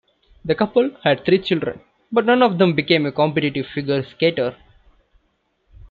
The couple had three children, but none of them became a competitive figure skater.